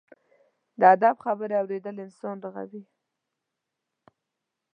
د ادب خبرې اورېدل انسان رغوي.